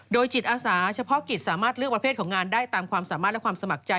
โดยจิตอาสาเฉพาะกิจสามารถเลือกประเภทของงานได้ตามความสามารถและความสมัครใจ